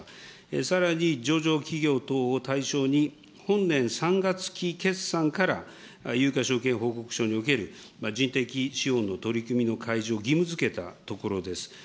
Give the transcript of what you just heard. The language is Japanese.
さらに、上場企業等を対象に、本年３月期決算から、有価証券報告書における人的資本の取り組みの開示を義務づけたところです。